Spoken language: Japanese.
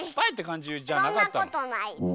そんなことない。